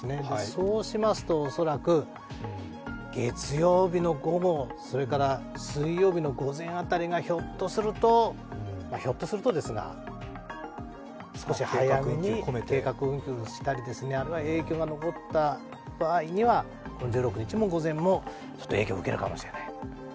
そうしますと恐らく、月曜日の午後それから水曜日の午前辺りがひょっとするとですが少し早めに計画運休したり、あるいは影響が残った場合には１６日の午前も影響を受けるかもしれない。